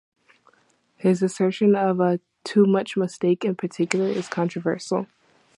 His assertion of a "too-much mistake" in particular, is controversial.